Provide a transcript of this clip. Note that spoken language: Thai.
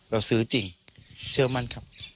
เราซื้อจริงเชื่อมั่นครับ